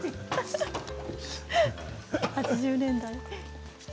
８０年代。